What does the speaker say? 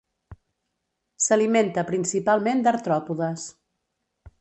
S'alimenta principalment d'artròpodes.